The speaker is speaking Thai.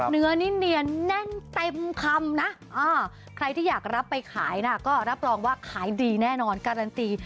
เนื้อนี่เนียนแน่นเต็มคำนะใครที่อยากรับไปขายนะก็รับรองว่าขายดีแน่นอนการันตี